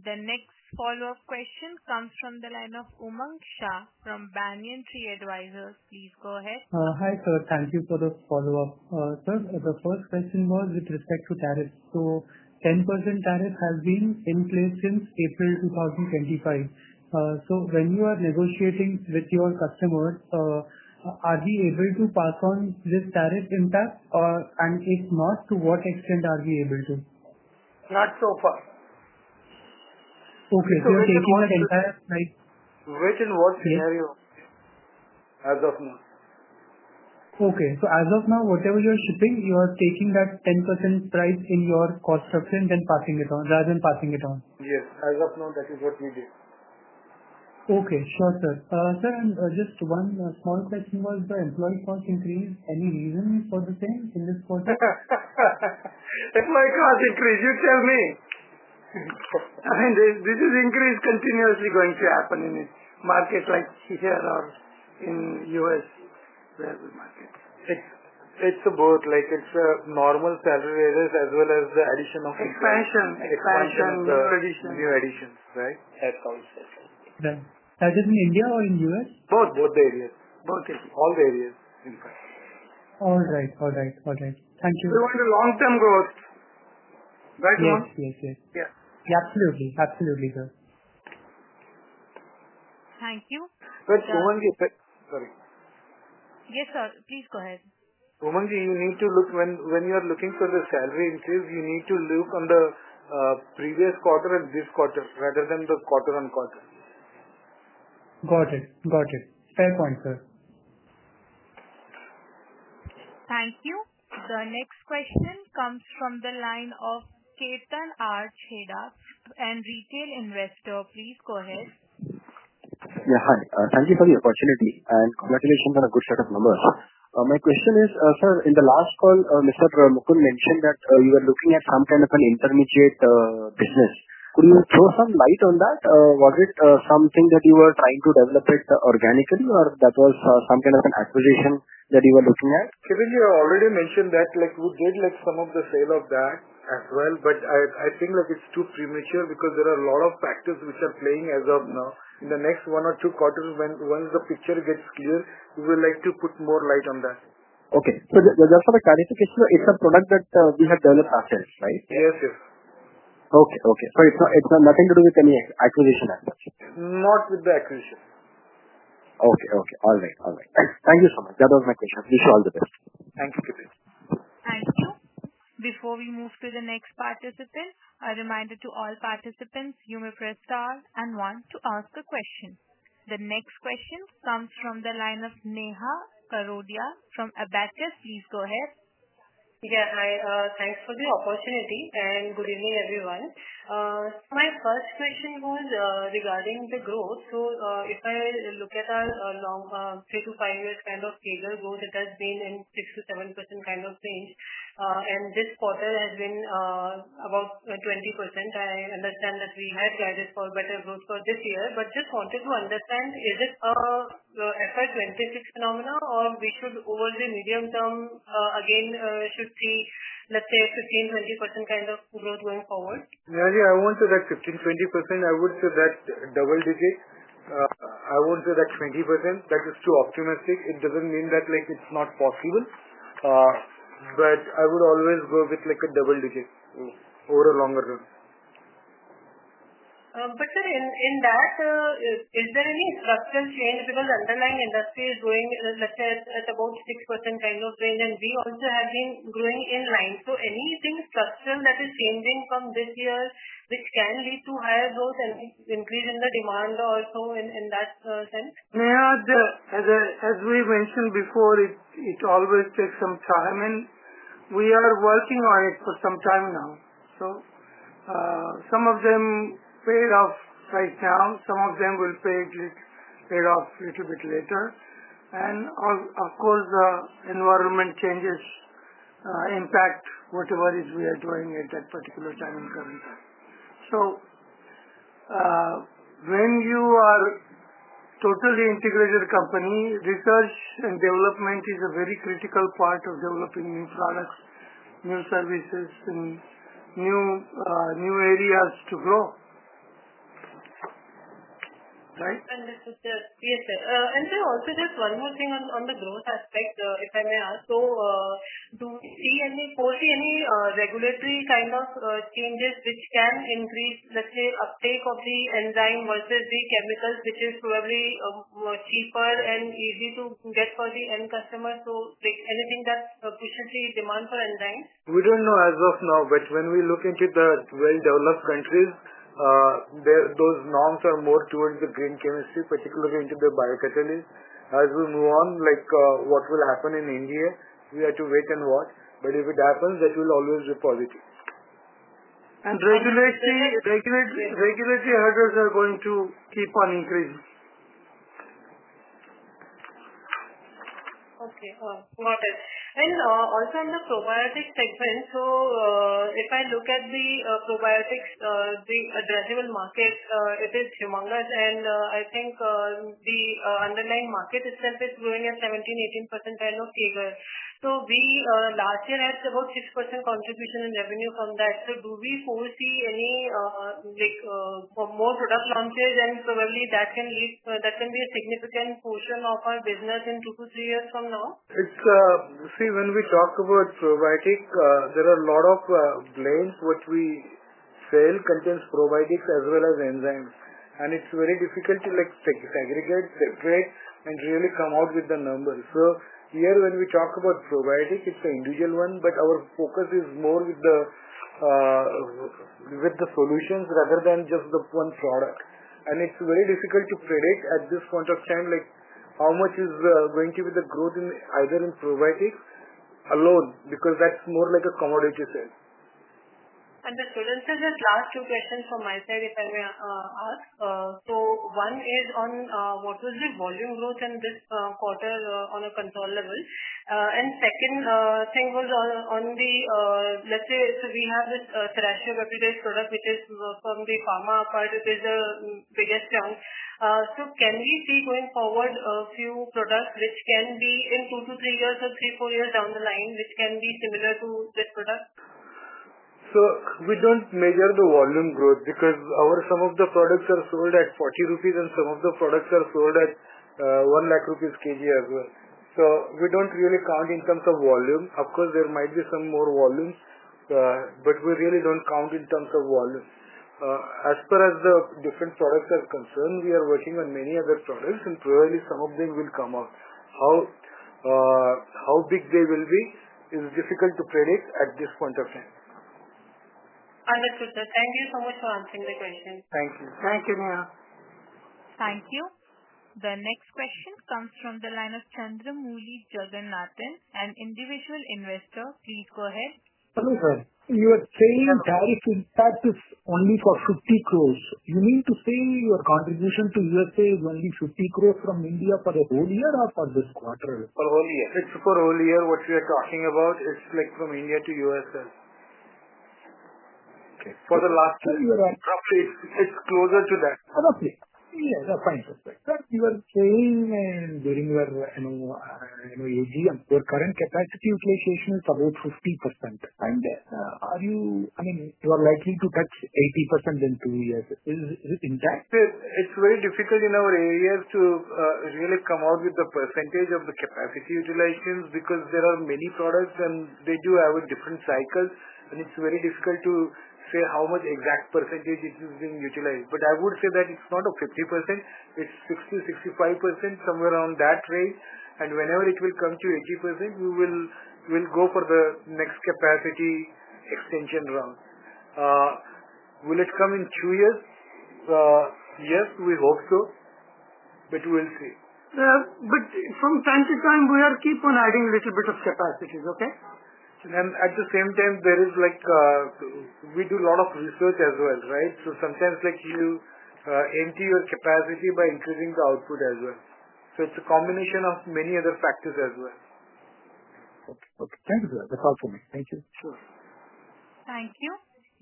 The next follow-up question comes from the line of Umang Shah from Banyan Tree Advisors. Please go ahead. Hi, sir. Thank you for the follow-up. Sir, the first question was with respect to tariffs. A 10% tariff has been in place since April 2025. When you are negotiating with your customers, are they able to pass on this tariff impact? If not, to what extent are they able to? Not so far. Okay, taking the entire price. Which, in what scenario? As of now. Okay. As of now, whatever you're shipping, you are taking that 10% price in your cost subsidy and then passing it on, rather than passing it on. Yes, as of now, that is what we did. Okay. Sure, sir. Sir, just one small question was the employee cost increase. Any reason for the change in this quarter? Employee cost increase, you tell me. I mean, this increase is continuously going to happen in markets like CCR or in the USA. It's about like it's normal salary raises as well as the addition of. Expansion. New additions. New additions, right? That counts, yes, yes. Does it mean India or in the USA? Both the areas. All the areas. All right. Thank you. In the long-term growth, right? Yes, yes, yes. Yeah. Absolutely. Absolutely, sir. Thank you. Sorry, Umang ji. Yes, sir. Please go ahead. Umang ji, you need to look when you are looking for the salary increase, you need to look on the previous quarter and this quarter rather than the quarter-on-quarter. Got it. Got it. Fair point, sir. Thank you. The next question comes from the line of Ketan R. Chheda, a retail investor. Please go ahead. Thank you for the opportunity. Congratulations on a good set of numbers. My question is, sir, in the last call, Mr. Mukund mentioned that you were looking at some from an intermediate business. Could you throw some light on that? Was it something that you were trying to develop it organically, or that was some kind of an acquisition that you were looking at? Ketan, you already mentioned that we did some of the sale of that as well, but I think it's too premature because there are a lot of factors which are playing as of now. In the next one or two quarters, once the picture gets clear, we will like to put more light on that. Okay, just for the clarity picture, it's a product that we have developed ourselves, right? Yes, yes. Okay. Okay. It's nothing to do with any acquisition? Not with the acquisition. Okay. All right. Thank you so much. That was my question. I wish you all the best. Thank you, Ketan. Thank you. Before we move to the next participant, a reminder to all participants, you may press star and one to ask a question. The next question comes from the line of Neha Kharodia from Abakkus. Please go ahead. Yeah. Hi. Thanks for the opportunity and good evening, everyone. My first question was regarding the growth. If I look at our long, three to five years kind of figure, growth, it has been in 6%-7% kind of range. This quarter has been about 20%. I understand that we have had this far better growth for this year, but just wanted to understand, is it a SI26 phenomenon or which would over the medium term, again, should see, let's say, a 15%-20% kind of growth going forward? Yeah, I won't say that 15%-20%. I would say that double digits. I won't say that 20%. That is too optimistic. It doesn't mean that it's not possible. I would always go with like a double digit over a longer term. In that, is there any structural change because underlying industry is growing, let's say, at about 6% range, and we also have been growing in line. Is anything structural changing from this year, which can lead to higher growth and increase in the demand also in that sense? Neha, as we mentioned before, it always takes some time. We are working on it for some time now. Some of them paid off right now, some of them will pay it off a little bit later. Of course, the environment changes impact whatever it is we are doing at that particular time and current time. When you are a totally integrated company, research and development is a very critical part of developing new products, new services, and new, new areas to grow, right? Understood, sir. Please, sir. Also, just one more thing on the growth aspect, if I may ask. Do we foresee any regulatory kind of changes which can increase, let's say, uptake of the enzyme versus the chemicals, which is probably more cheap and easy to get for the end customer? Anything that sufficiently demands for enzymes? We don't know as of now, but when we look into the well-developed countries, those norms are more towards the green chemistry, particularly into the biocatalysts. As we move on, like, what will happen in India, we have to wait and watch. If it happens, that will always be positive. Regulatory hurdles are going to keep on increasing. Okay. Got it. Also, in the probiotics segment, if I look at the probiotics, the addressable markets, it is humongous. I think the underlying market itself is growing at 17%-18% kind of figure. Last year had about 6% contribution in revenue from that. Do we foresee any more product launches? Probably that can lead, that can be a significant portion of our business in two to three years from now? See, when we talk about probiotics, there are a lot of blends which we sell that contain probiotics as well as enzymes. It's very difficult to segregate, separate, and really come out with the numbers. Here, when we talk about probiotics, it's an individual one, but our focus is more with the solutions rather than just the one product. It's very difficult to predict at this point of time how much is going to be the growth in either in probiotics alone because that's more like a commodity sale. Understood. Sir, just last two questions from my side if I may ask. One is on what was the volume growth in this quarter on a control level. The second thing was on the, let's say, we have this threshold of everyday product, which is from the pharma part, which is the biggest challenge. Can we see going forward a few products which can be in two to three years and three, four years down the line, which can be similar to this product? We don't measure the volume growth because some of the products are sold at 40 rupees, and some of the products are sold at 1 lakh rupees per kg as well. We don't really count in terms of volume. Of course, there might be some more volumes, but we really don't count in terms of volume. As far as the different products are concerned, we are working on many other products, and probably some of them will come out. How big they will be is difficult to predict at this point of time. Understood, sir. Thank you so much for answering the question. Thank you. Thank you, Neha. Thank you. The next question comes from the line of Chandramouli Jagannathan, an individual investor. Please go ahead. Coming, sir. You are saying tariff impact is only for 50 crore. You mean to pay your contribution to USA only 50 crore from India for the whole year or for this quarter? For the whole year. It's for the whole year what we are talking about. It's like from India to USA. Okay. For the last year, you were roughly, it's closer to that. Okay, that's fine. That's what you were saying during your UG, and their current capacity of location is about 50%. Are you, I mean, you are likely to touch 80% in two years. Is it intact? It's very difficult in our areas to really come out with the percentage of the capacity utilization because there are many products, and they do have a different cycle. It's very difficult to say how much exact percentage it is being utilized. I would say that it's not a 50%. It's 60%-65%, somewhere around that range. Whenever it will come to 80%, we will go for the next capacity extension round. Will it come in two years? Yes, we hope so. We will see. From time to time, we keep on adding a little bit of capacities, okay? At the same time, we do a lot of research as well, right? Sometimes you empty your capacity by increasing the output as well. It's a combination of many other factors as well. Okay. Thank you, sir. That's all from us. Thank you. Sure. Thank you.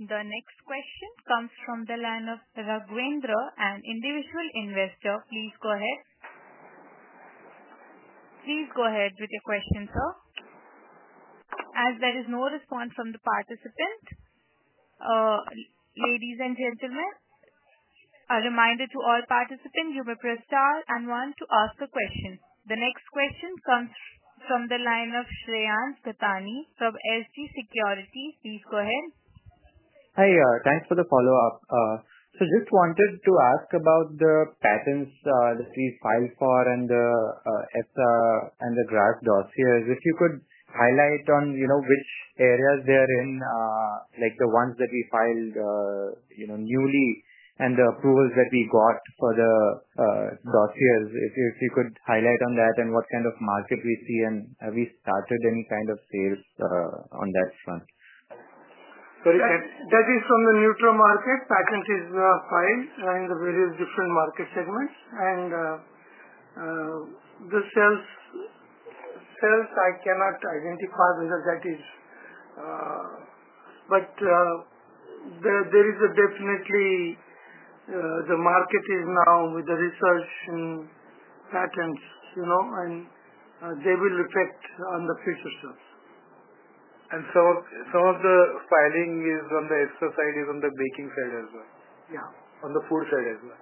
The next question comes from the line of Raghavendra, an individual investor. Please go ahead. Please go ahead with your question, sir. As there is no response from the participants, ladies and gentlemen, a reminder to all participants, you may press star and one to ask a question. The next question comes from the line of Shreyans Gathani from SG Securities. Please go ahead. Hi. Thanks for the follow-up. I just wanted to ask about the patents that we filed for and the EFTA and the draft dossiers. If you could highlight on, you know, which areas they are in, like the ones that we filed, you know, newly and the approvals that we got for the dossiers. If you could highlight on that and what kind of market we see and have we started any kind of sales on that front. That is from the neutral market. Patents are filed in the various different market segments. The sales I cannot identify because that is, but there is definitely, the market is now with the research and patents, you know, and they will reflect on the future stuff. Some of the filing is on the extra side, on the baking side as well. On the food side as well.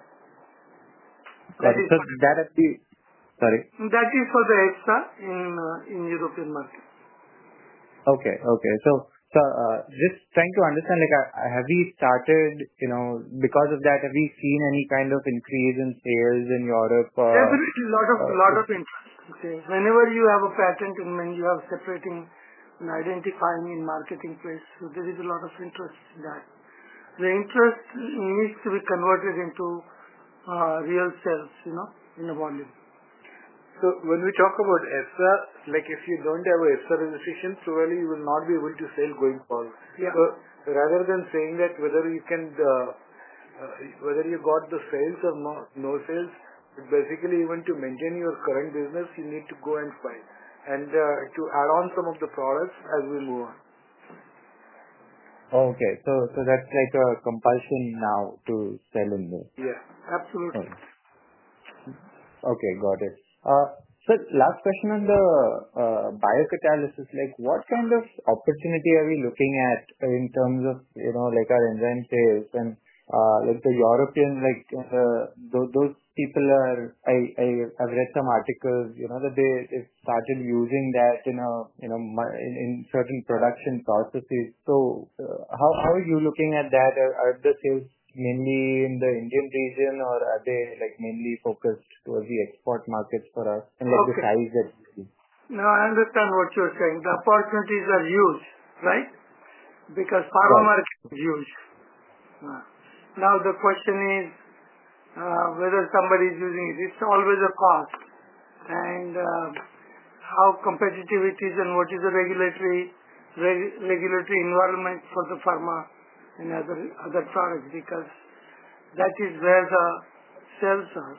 Got it. That is the...sorry. That is for the extra in European markets. Okay. Just trying to understand, like have we started, you know, because of that, have we seen any kind of increase in sales in Europe? There is a lot of interest. Whenever you have a patent, and then you are separating and identifying in the marketplace, there is a lot of interest in that. The interest needs to be converted into real sales, you know, in the volume. When we talk about EFTA, if you don't have an EFTA registration, probably you will not be able to sell going forward. Rather than saying that whether you can, whether you got the sales or not, no sales, but basically, you want to maintain your current business, you need to go and find and to add on some of the products as we move on. Okay, that's like a compulsion now to sell in this? Yeah. Absolutely. Okay. Got it. Last question on the biocatalysts, what kind of opportunity are we looking at in terms of our inventories and the European, like, those people are, I have read some articles that they started using that in certain production processes. How are you looking at that? Are the sales mainly in the Indian region, or are they mainly focused towards the export markets for us, and what the size is? No, I understand what you're saying. The opportunities are huge, right? Because pharma market is huge. The question is whether somebody is using it. It's always a cost, and how competitive it is and what is the regulatory environment for the pharma and other products because that is where the sales are.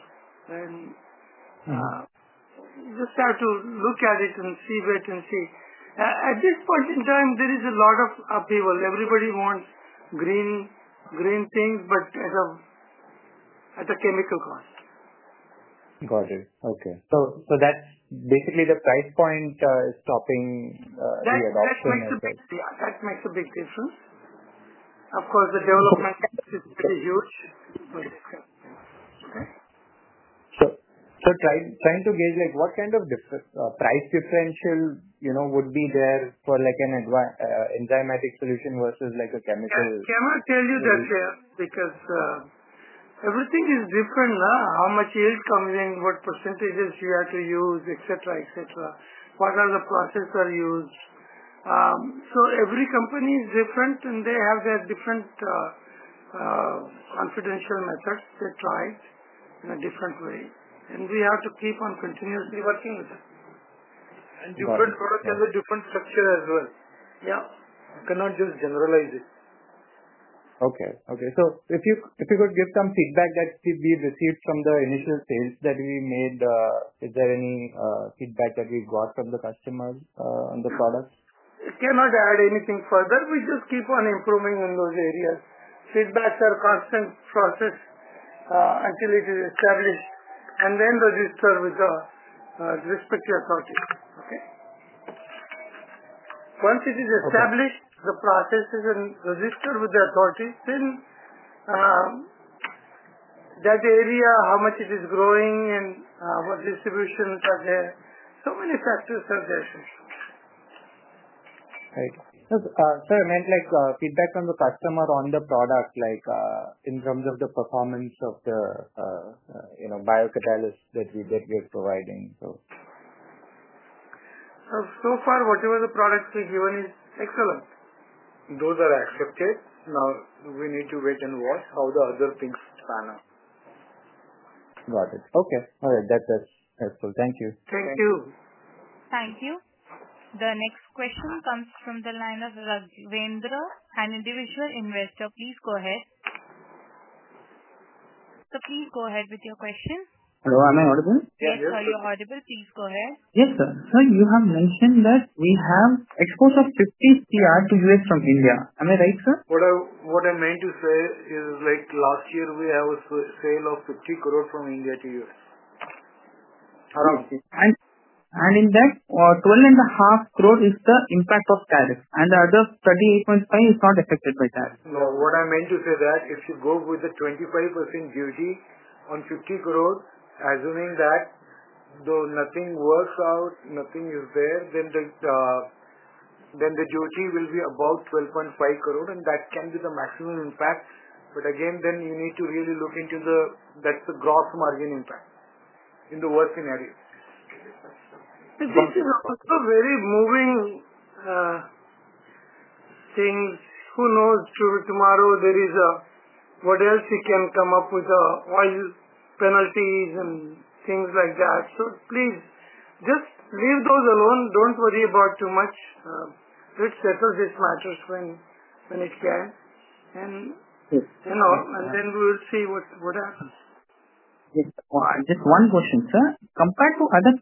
You just have to look at it and see where it is. At this point in time, there is a lot of upheaval. Everybody wants green, green things, but at a chemical cost. Got it. Okay, that's basically the price point is stopping the adoption? That makes a big difference. Of course, the development is pretty huge. Trying to gauge like what kind of price differential, you know, would be there for like an enzymatic solution versus like a chemical? I cannot tell you that, sir, because everything is different now. How much yields coming in, what percentages you have to use, etc., etc. What other processes are used? Every company is different, and they have their different, confidential methods to try in a different way. We have to keep on continuously working with them. Different products have a different structure as well. Yeah? You cannot just generalize it. Okay. If you could give some feedback that we received from the initial sales that we made, is there any feedback that we got from the customers on the products? I cannot add anything further. We just keep on improving in those areas. Feedback is a constant process until it is established. Then register with the respective authorities. Once it is established, the processes and register with the authorities, then that area, how much it is growing and what distribution is out there, so many factors take place. Right. I meant feedback from the customer on the product, in terms of the performance of the biocatalyst that we are providing. Whatever the products we've given is excellent. Those are accepted. Now we need to wait and watch how the other things pan out. Got it. Okay. All right. That's helpful. Thank you. Thank you. Thank you. The next question comes from the line of Raghavendra, an individual investor. Please go ahead with your question. Am I audible? Yeah, I hear you. You're audible. Please go ahead. Yes, sir. Sir, you have mentioned that we have exports of INR 50 crore to the U.S. from India. Am I right, sir? What I meant to say is like last year we have a sale of 50 crore from India to the U.S. In that, 12.5 crore is the impact of tariff. The other 38.5 crore is not affected by tariff. No. What I meant to say is that if you go with a 25% duty on 50 crore, assuming that though nothing works out, nothing is there, then the duty will be about 12.5 crore, and that can be the maximum impact. You need to really look into that; that's the gross margin impact in the worst scenarios. This is also very moving things. Who knows? Tomorrow there is a what else you can come up with, oil penalties and things like that. Please just leave those alone. Don't worry about too much. Let's settle this matter when it can. You know, then we will see what happens. Just one question, sir. Compared to other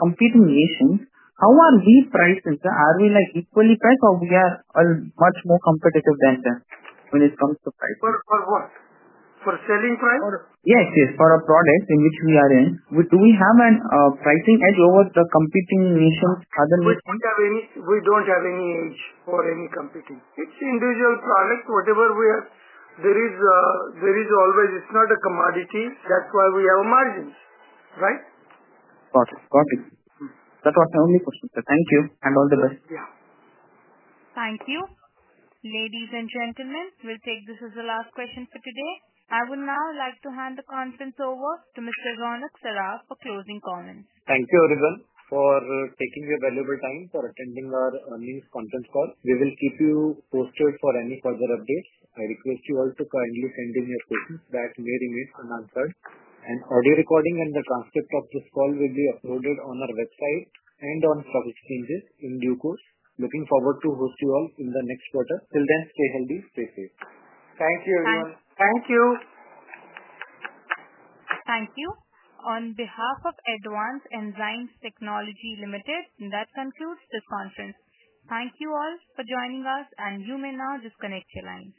competing nations, how are we priced? Are we equally priced or are we much more competitive than them when it comes to price? For what? For selling price? Yes, yes. For our products in which we are in, do we have a pricing edge over the competing nations? We don't have any edge for any competing. It's individual products. Whatever we have, there is always, it's not a commodity. That's why we have a margin, right? Got it. Got it. That was my only question, sir. Thank you and all the best. Yeah. Thank you. Ladies and gentlemen, we'll take this as the last question for today. I would now like to hand the conference over to Mr. Ronak Saraf for closing comments. Thank you, everyone, for taking your valuable time for attending our early conference call. We will keep you posted for any further updates. I request you also kindly send in your questions that we are in need of an answer. The audio recording and the transcript of this call will be uploaded on our website and on stock exchanges in due course. Looking forward to hosting you all in the next quarter. Till then, stay healthy, stay safe. Thank you, everyone. Thank you. Thank you. On behalf of Advanced Enzyme Technologies Ltd, that concludes this conference. Thank you all for joining us, and you may now disconnect the line.